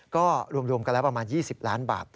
ก็รวมกันแล้วประมาณ๒๐ล้านบาท